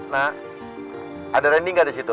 nah ada randing nggak di situ